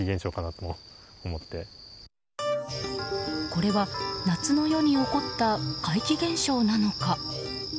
これは夏の夜に起こった怪奇現象なのか。